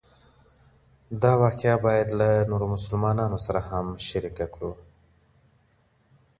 دا واقعه باید له نورو مسلمانانو سره هم شریکه کړو.